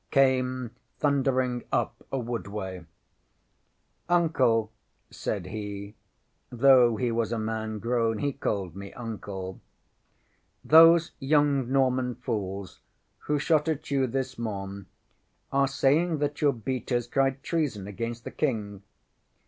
] came thundering up a woodway. ŌĆśŌĆ£Uncle, ŌĆØ said he (though he was a man grown, he called me Uncle), ŌĆ£those young Norman fools who shot at you this morn are saying that your beaters cried treason against the King.